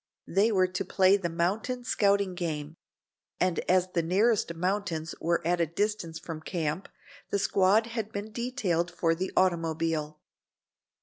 They were to play the mountain scouting game, and as the nearest mountains were at a distance from camp the squad had been detailed for the automobile.